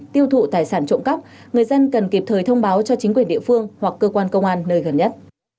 tiêu thụ tài sản trộm cắp người dân cần kịp thời thông báo cho chính quyền địa phương hoặc cơ quan công an nơi gần nhất